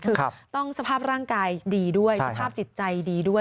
คือต้องสภาพร่างกายดีด้วยสภาพจิตใจดีด้วย